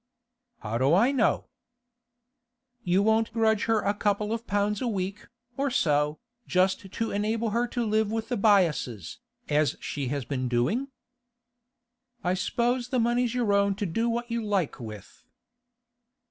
'How do I know?' 'You won't grudge her a couple of pounds a week, or so, just to enable her to live with the Byasses, as she has been doing?' 'I s'pose the money's your own to do what you like with.